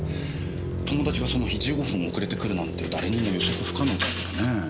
友達がその日１５分遅れてくるなんて誰にも予測不可能ですからねぇ。